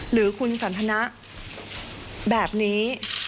หรือคุณสันทนะแบบนี้